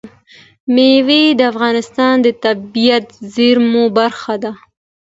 مېوې د افغانستان د طبیعي زیرمو برخه ده.